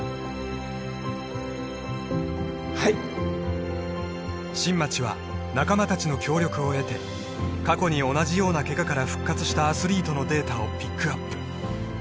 はい新町は仲間達の協力を得て過去に同じようなケガから復活したアスリートのデータをピックアップ